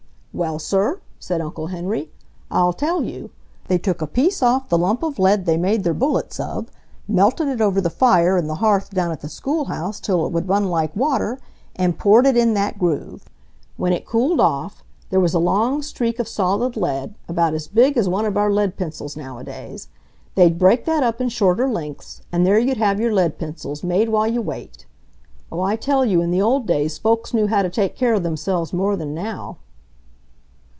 "Well, sir," said Uncle Henry, "I'll tell you. They took a piece off the lump of lead they made their bullets of, melted it over the fire in the hearth down at the schoolhouse till it would run like water, and poured it in that groove. When it cooled off, there was a long streak of solid lead, about as big as one of our lead pencils nowadays. They'd break that up in shorter lengths, and there you'd have your lead pencils, made while you wait. Oh, I tell you in the old days folks knew how to take care of themselves more than now."